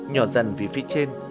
nhỏ dần về phía trên